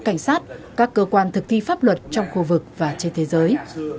cảnh sát các cơ quan thực thi pháp luật trong khu vực và trên thế giới